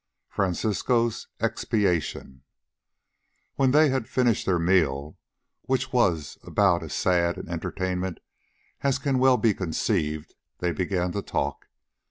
FRANCISCO'S EXPIATION When they had finished their meal, which was about as sad an entertainment as can well be conceived, they began to talk.